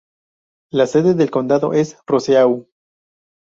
La sede del condado es Roseau.